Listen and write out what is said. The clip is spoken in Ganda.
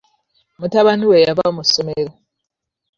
Mutabani we yava mu ssomero.